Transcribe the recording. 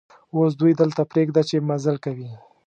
اوس دوی دلته پرېږده چې مزل کوي.